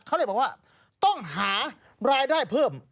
เขาเลยบอกว่าต้องหารายได้เพิ่ม